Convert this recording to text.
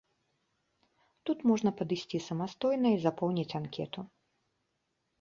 Туды можна падысці самастойна і запоўніць анкету.